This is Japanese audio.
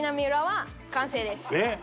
えっ？